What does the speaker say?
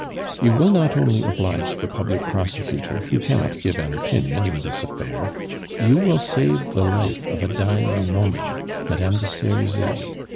"You will not only oblige the public prosecutor, who cannot give an opinion in this affair; you will save the life of a dying woman, Madame de Serizy.